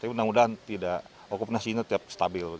tapi mudah mudahan tidak okupansi ini tetap stabil